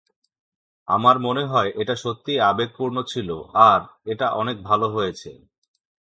আমার মনে হয় এটা সত্যিই আবেগপূর্ণ ছিল আর এটা অনেক ভালো হয়েছে।